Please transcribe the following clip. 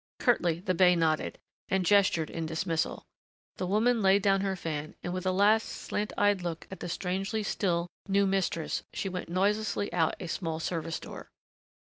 Curtly the bey nodded, and gestured in dismissal; the woman laid down her fan, and with a last slant eyed look at that strangely still new mistress she went noiselessly out a small service door.